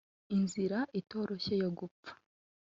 inzira itoroshye yo gupfa